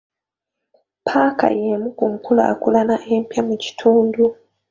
Ppaaka y'emu ku nkulaakulana empya mu kitundu.